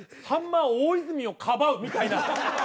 「さんま大泉をかばう」みたいな。